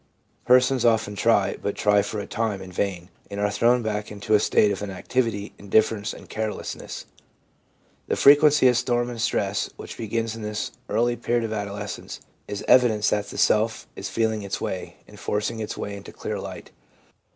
Persons often try, but try for a time in vain, and are thrown back into a state of inactivity, indifference and carelessness. The frequency of storm and stress, which begins in this early period of adolescence, is evidence 27 398 THE PSYCHOLOGY OF RELIGION that the self is feeling its way, and forcing its way into clear light.